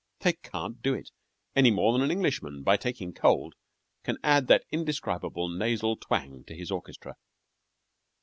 They can't do it, any more than an Englishman, by taking cold, can add that indescribable nasal twang to his orchestra.